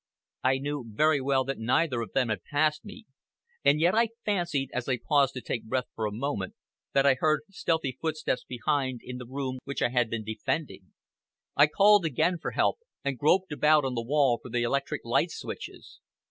I knew very well that neither of them had passed me, and yet I fancied, as I paused to take breath for a moment, that I heard stealthy footsteps behind, in the room which I had been defending. I called again for help, and groped about on the wall for the electric light switches.